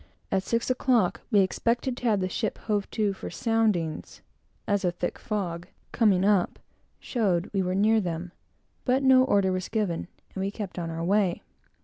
At six o'clock we expected to have the ship hove to for soundings, as a thick fog, coming up showed we were near them; but no order was given, and we kept on our way.